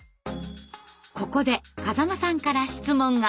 ここで風間さんから質問が。